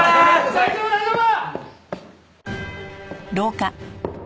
大丈夫大丈夫！